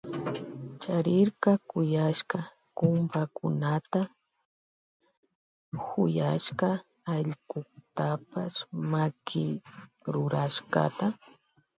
Charirka kuyaska kumbakunata y huyashka allkutapash makirurashkata.